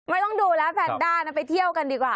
ไม่ต้องดูแล้วแพนด้านะไปเที่ยวกันดีกว่า